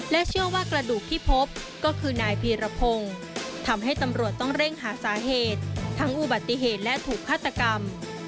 เชื่อว่ากระดูกที่พบก็คือนายพีรพงศ์ทำให้ตำรวจต้องเร่งหาสาเหตุทั้งอุบัติเหตุและถูกฆาตกรรม